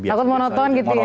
takut monoton gitu ya